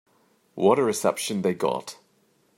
What a reception they got.